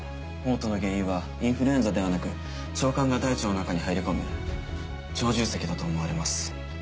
嘔吐の原因はインフルエンザではなく腸管が大腸の中に入り込む腸重積だと思われます。